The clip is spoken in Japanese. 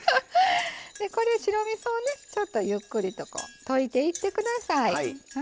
これ白みそをねちょっとゆっくりと溶いていって下さい。